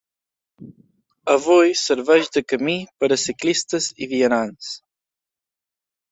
Avui serveix de camí per a ciclistes i vianants.